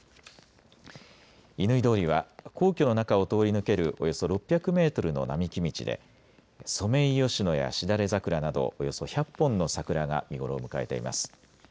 乾通りは皇居の中を通り抜けるおよそ６００メートルの並木道でソメイヨシノやしだれ桜などおよそ１００本の桜が見頃を迎えています。